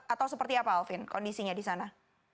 atau seperti apa alvin kondisinya di sana